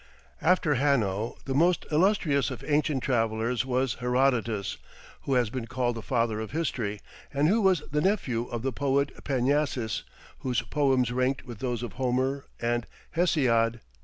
After Hanno, the most illustrious of ancient travellers, was Herodotus, who has been called the "Father of History," and who was the nephew of the poet Panyasis, whose poems ranked with those of Homer and Hesiod.